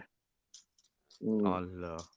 อ๋อเหรอ